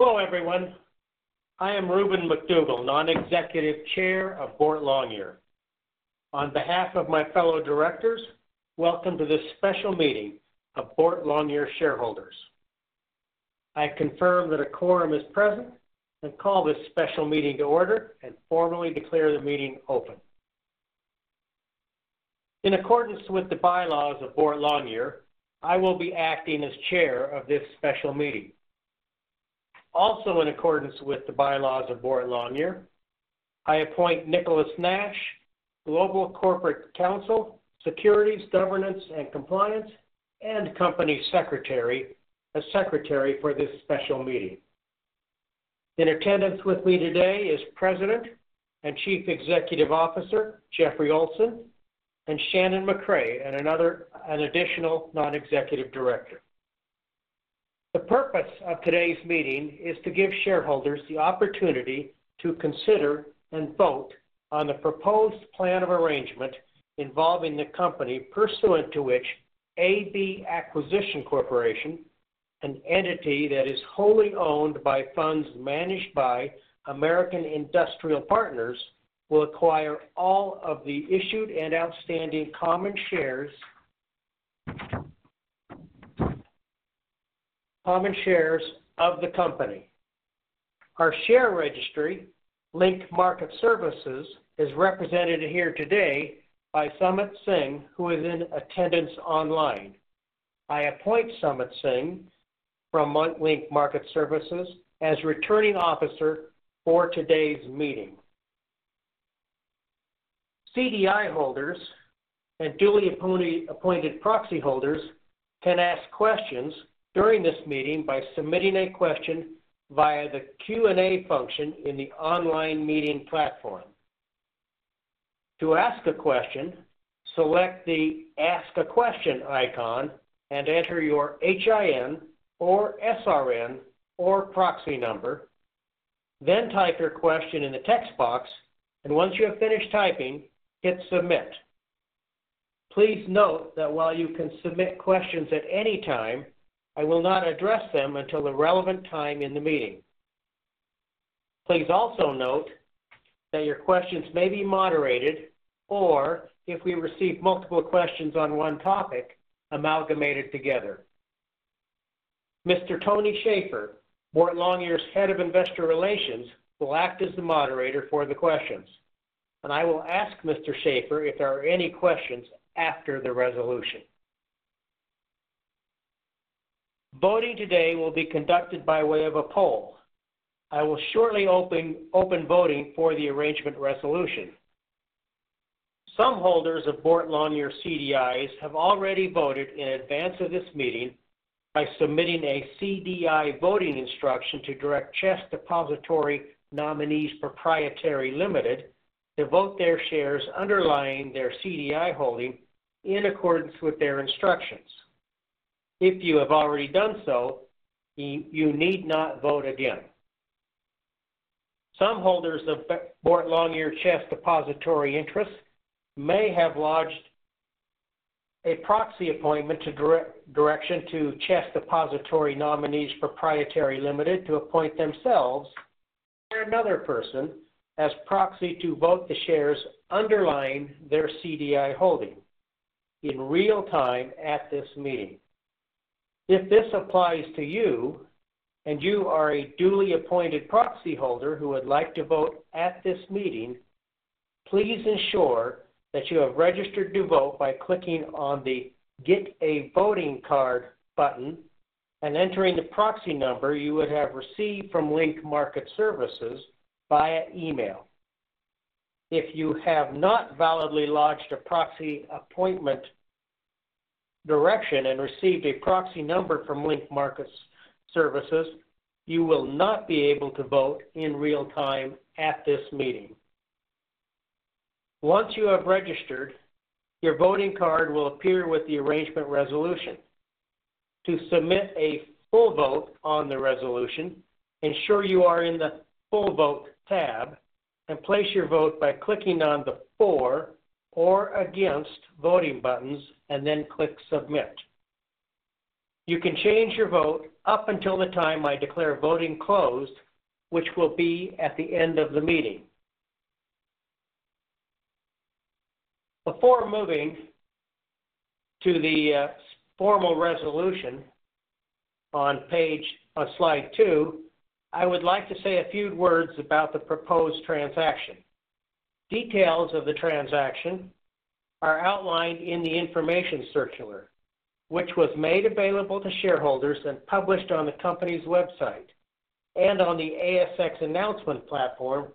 Hello, everyone. I am Rubin McDougal, Non-Executive Chair of Boart Longyear. On behalf of my fellow directors, welcome to this special meeting of Boart Longyear shareholders. I confirm that a quorum is present and call this special meeting to order and formally declare the meeting open. In accordance with the bylaws of Boart Longyear, I will be acting as chair of this special meeting. Also, in accordance with the bylaws of Boart Longyear, I appoint Nicholas Nash, Global Corporate Counsel, Securities, Governance and Compliance, and Company Secretary, as secretary for this special meeting. In attendance with me today is President and Chief Executive Officer, Jeffrey Olsen, and Shannon McCrae, and another—an additional non-executive director. The purpose of today's meeting is to give shareholders the opportunity to consider and vote on the proposed Plan of Arrangement involving the company, pursuant to which AB Acquisition Corporation, an entity that is wholly owned by funds managed by American Industrial Partners, will acquire all of the issued and outstanding common shares of the company. Our share registry, Link Market Services, is represented here today by Sumit Singh, who is in attendance online. I appoint Sumit Singh from Link Market Services as Returning Officer for today's meeting. CDI holders and duly appointed proxy holders can ask questions during this meeting by submitting a question via the Q&A function in the online meeting platform. To ask a question, select the Ask a Question icon and enter your HIN or SRN or proxy number. Then type your question in the text box, and once you have finished typing, hit Submit. Please note that while you can submit questions at any time, I will not address them until the relevant time in the meeting. Please also note that your questions may be moderated, or if we receive multiple questions on one topic, amalgamated together. Mr. Tony Shaffer, Boart Longyear's Head of Investor Relations, will act as the moderator for the questions, and I will ask Mr. Shaffer if there are any questions after the resolution. Voting today will be conducted by way of a poll. I will shortly open voting for the arrangement resolution. Some holders of Boart Longyear CDIs have already voted in advance of this meeting by submitting a CDI voting instruction to direct CHESS Depository Nominees Pty Limited, to vote their shares underlying their CDI holding in accordance with their instructions. If you have already done so, you need not vote again. Some holders of Boart Longyear CHESS Depository interests may have lodged a proxy appointment direction to CHESS Depository Nominees Pty Limited, to appoint themselves or another person as proxy to vote the shares underlying their CDI holding in real time at this meeting. If this applies to you, and you are a duly appointed proxy holder who would like to vote at this meeting, please ensure that you have registered to vote by clicking on the Get a Voting Card button and entering the proxy number you would have received from Link Market Services via email. If you have not validly lodged a proxy appointment direction and received a proxy number from Link Market Services, you will not be able to vote in real time at this meeting. Once you have registered, your voting card will appear with the arrangement resolution. To submit a full vote on the resolution, ensure you are in the Full Vote tab and place your vote by clicking on the For or Against voting buttons, and then click Submit. You can change your vote up until the time I declare voting closed, which will be at the end of the meeting. Before moving to the formal resolution on slide two, I would like to say a few words about the proposed transaction. Details of the transaction are outlined in the information circular, which was made available to shareholders and published on the company's website and on the ASX announcement platform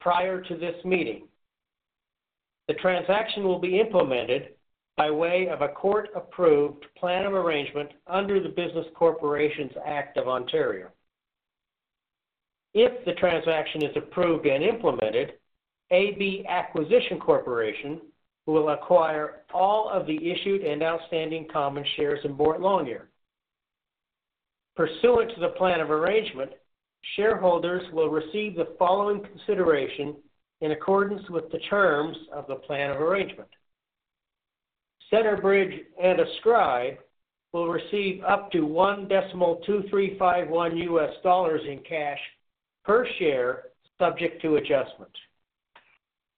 prior to this meeting. The transaction will be implemented by way of a court-approved Plan of Arrangement under the Business Corporations Act of Ontario. If the transaction is approved and implemented, AB Acquisition Corporation will acquire all of the issued and outstanding common shares in Boart Longyear. Pursuant to the plan of arrangement, shareholders will receive the following consideration in accordance with the terms of the plan of arrangement.... Centerbridge and Ascribe will receive up to $1.2351 in cash per share, subject to adjustments.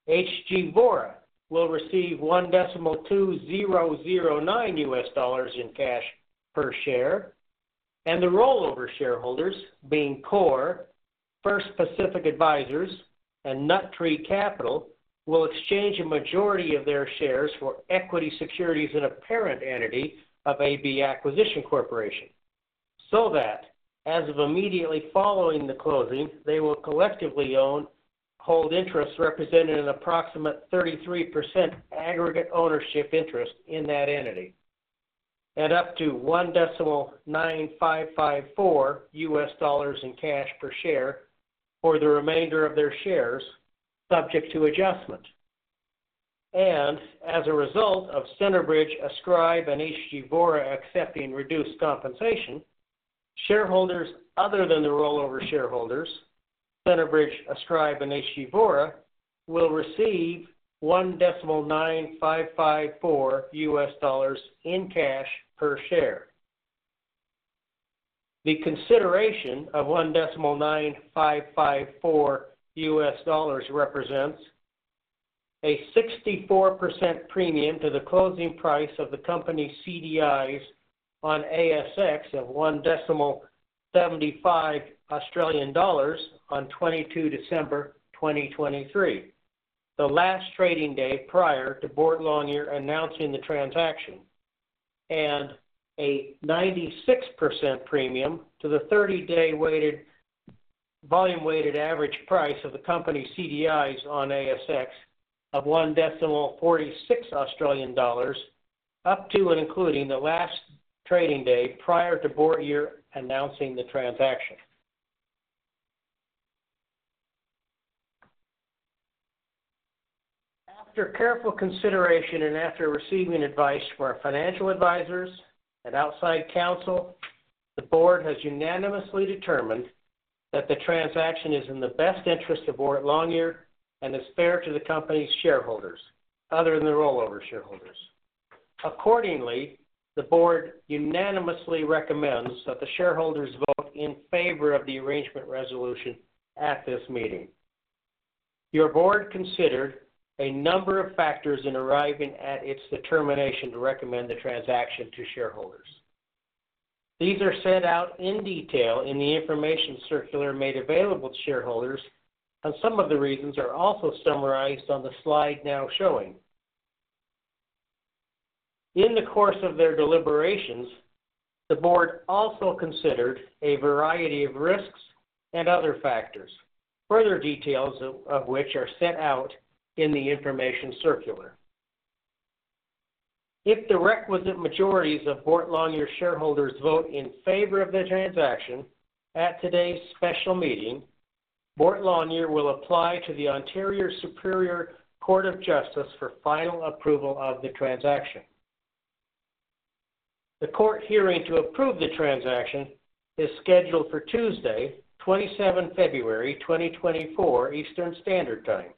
HG Vora will receive $1.2009 in cash per share, and the rollover shareholders, being Corre, First Pacific Advisors, and Nut Tree Capital, will exchange a majority of their shares for equity securities in a parent entity of AB Acquisition Corporation. So that as of immediately following the closing, they will collectively own, hold interests represented in approximate 33% aggregate ownership interest in that entity, and up to $1.9554 in cash per share for the remainder of their shares, subject to adjustment. And as a result of Centerbridge, Ascribe, and HG Vora accepting reduced compensation, shareholders other than the rollover shareholders, Centerbridge, Ascribe, and HG Vora, will receive $1.9554 in cash per share. The consideration of $1.9554 represents a 64% premium to the closing price of the company CDIs on ASX of 1.75 Australian dollars on 22 December 2023, the last trading day prior to Boart Longyear announcing the transaction, and a 96% premium to the 30-day weighted, volume-weighted average price of the company CDIs on ASX of 1.46 Australian dollars, up to and including the last trading day prior to Boart Longyear announcing the transaction. After careful consideration and after receiving advice from our financial advisors and outside counsel, the board has unanimously determined that the transaction is in the best interest of Boart Longyear and is fair to the company's shareholders, other than the rollover shareholders. Accordingly, the board unanimously recommends that the shareholders vote in favor of the arrangement resolution at this meeting. Your board considered a number of factors in arriving at its determination to recommend the transaction to shareholders. These are set out in detail in the information circular made available to shareholders, and some of the reasons are also summarized on the slide now showing. In the course of their deliberations, the board also considered a variety of risks and other factors, further details of which are set out in the information circular. If the requisite majorities of Boart Longyear shareholders vote in favor of the transaction at today's special meeting, Boart Longyear will apply to the Ontario Superior Court of Justice for final approval of the transaction. The court hearing to approve the transaction is scheduled for Tuesday, 27 February, 2024, Eastern Standard Time,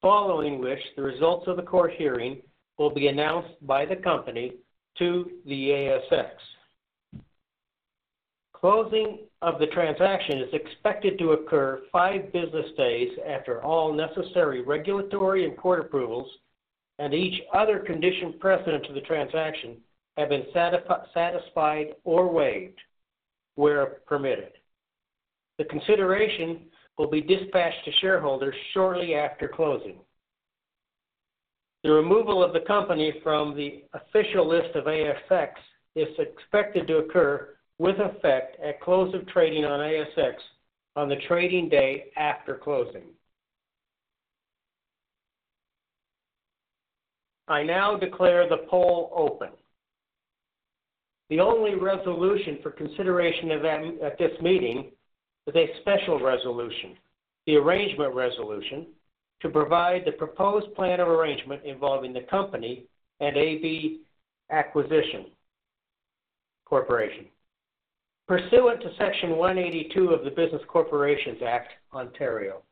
following which, the results of the court hearing will be announced by the company to the ASX. Closing of the transaction is expected to occur five business days after all necessary regulatory and court approvals, and each other condition precedent to the transaction have been satisfied or waived, where permitted. The consideration will be dispatched to shareholders shortly after closing. The removal of the company from the official list of ASX is expected to occur with effect at close of trading on ASX on the trading day after closing. I now declare the poll open. The only resolution for consideration at this meeting is a special resolution, the arrangement resolution, to provide the proposed plan of arrangement involving the company and AB Acquisition Corporation, pursuant to Section 182 of the Business Corporations Act (Ontario).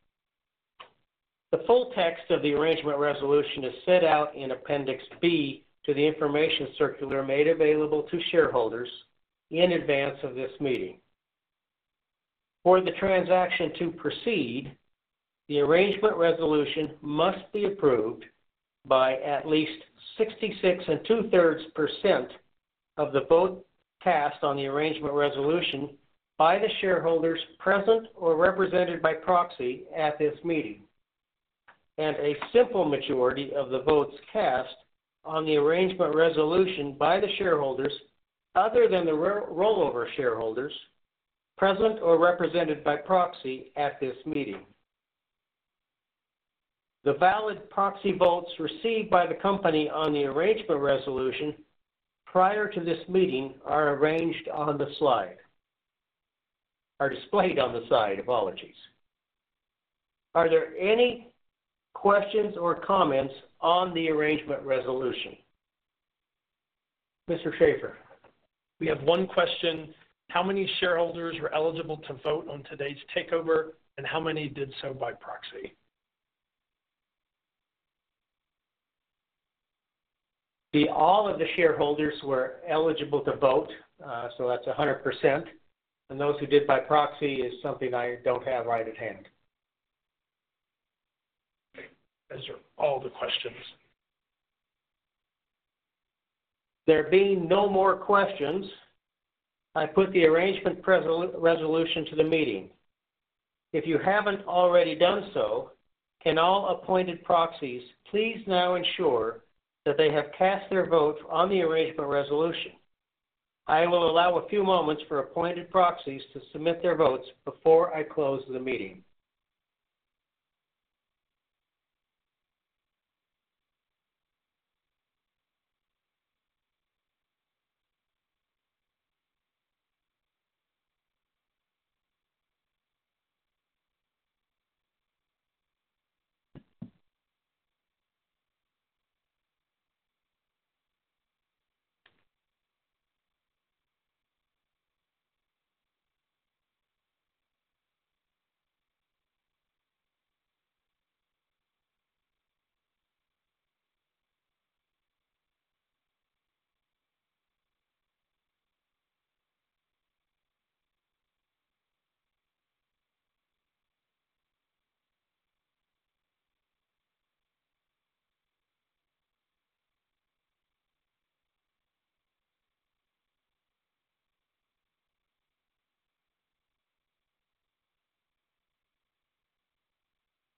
The full text of the arrangement resolution is set out in Appendix B to the information circular made available to shareholders in advance of this meeting. For the transaction to proceed, the arrangement resolution must be approved by at least 66% or 2/3 of the vote cast on the arrangement resolution by the shareholders present or represented by proxy at this meeting, and a simple majority of the votes cast on the arrangement resolution by the shareholders, other than the rollover shareholders, present or represented by proxy at this meeting. The valid proxy votes received by the company on the arrangement resolution prior to this meeting are displayed on the slide, apologies. Are there any questions or comments on the arrangement resolution? Mr. Shaffer, We have one question: How many shareholders were eligible to vote on today's takeover, and how many did so by proxy? All of the shareholders were eligible to vote, so that's 100%, and those who did by proxy is something I don't have right at hand. Okay. Those are all the questions. There being no more questions, I put the arrangement resolution to the meeting. If you haven't already done so, can all appointed proxies please now ensure that they have cast their votes on the arrangement resolution? I will allow a few moments for appointed proxies to submit their votes before I close the meeting.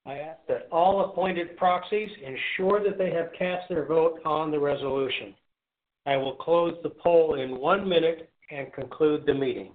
I ask that all appointed proxies ensure that they have cast their vote on the resolution. I will close the poll in one minute and conclude the meeting.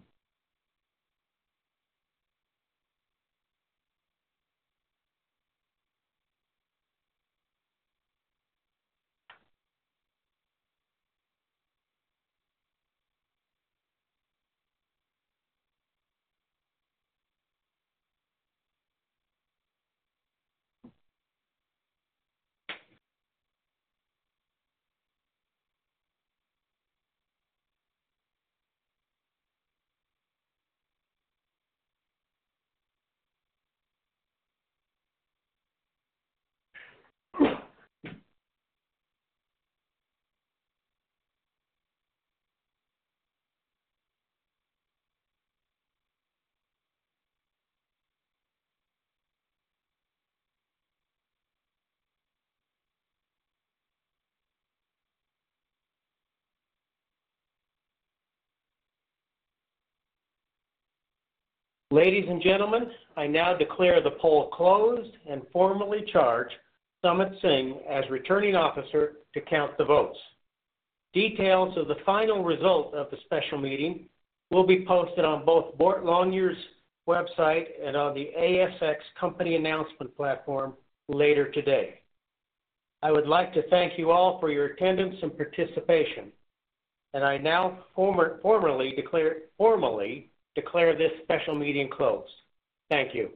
Ladies and gentlemen, I now declare the poll closed and formally charge Sumit Singh as Returning Officer to count the votes. Details of the final result of the special meeting will be posted on both Boart Longyear's website and on the ASX company announcement platform later today. I would like to thank you all for your attendance and participation, and I now formally declare this special meeting closed. Thank you.